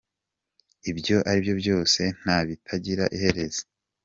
Ibyo ari byo byose, nta bitagira iherezo.